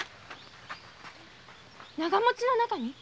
長持ちの中に？